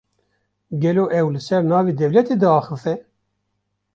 Gelo ew, li ser navê dewletê diaxife?